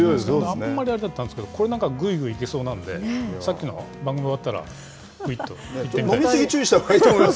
あんまりあれだったんですけど、これなんか、ぐいぐいいけそうなんで、さっきの番組終わった飲み過ぎ注意したほうがいいかも。